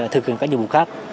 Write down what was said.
thực hiện các nhiệm vụ khác